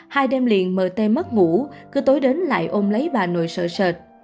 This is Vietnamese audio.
hai đêm liền m t mất ngủ cứ tối đến lại ôm lấy bà nội sợ sệt